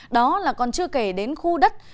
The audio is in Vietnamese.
đó là còn chưa kể đến khu đất